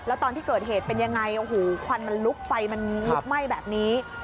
แล้วตอนที่เกิดเหตุเป็นยังไงโอ้โหควันมันลุกไฟมันลุกไหม้แบบนี้